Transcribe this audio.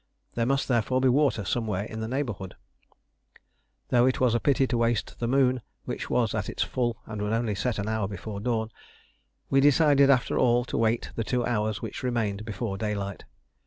There must, therefore, be water somewhere in the neighbourhood. Though it was a pity to waste the moon, which was at its full and would only set an hour before dawn, we decided, after all, to wait the two hours which remained before daylight.